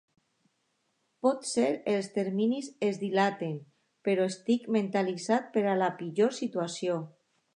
Potser els terminis es dilaten, però estic mentalitzat per a la pitjor situació.